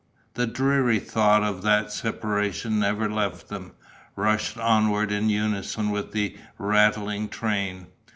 The dreary thought of that separation never left them, rushed onward in unison with the rattling train.